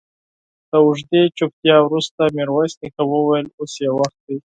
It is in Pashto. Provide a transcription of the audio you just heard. له اوږدې چوپتيا وروسته ميرويس نيکه وويل: اوس يې وخت دی.